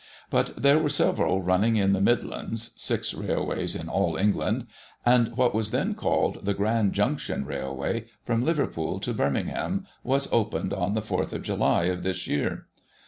But there were several running in the midlands (six railways in all England), and what was then called " The Grand Junction Railway," from Liverpool to Birmingham, was opened on the 4th July of this year.